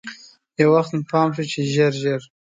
یو وخت مې پام شو چې ژر ژر.